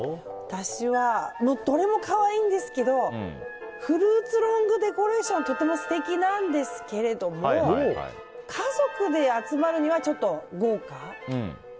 私はどれも可愛いんですけどフルーツロングデコレーションがとても素敵なんですけれども家族で集まるには、ちょっと豪華。